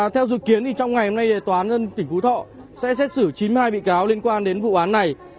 theo dự kiến trong ngày hôm nay toán nhân dân tỉnh phú thọ sẽ xét xử chín mươi hai bị cáo liên quan đến vụ án này